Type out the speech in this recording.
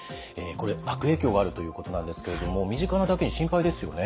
これ悪影響があるということなんですけれども身近なだけに心配ですよね。